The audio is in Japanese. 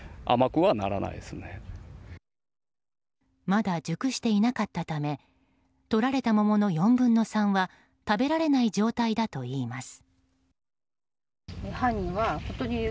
まだ熟していなかったためとられた桃の４分の３は食べられない状態だといいます。